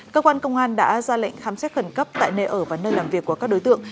cơ quan công an đã ra lệnh khám xét khẩn cấp tại nơi ở và nơi làm việc của các đối tượng